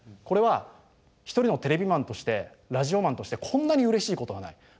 これは一人のテレビマンとしてラジオマンとしてこんなにうれしいことはない。